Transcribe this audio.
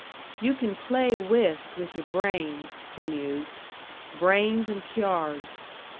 "You can play whist with your brains," he mused, "brains and cyards.